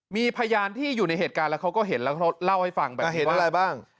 มีพยานที่อยู่ในเหตุการณ์แล้วเขาก็เห็นแล้วเขาเล่าให้ฟังแบบเห็นอะไรบ้าง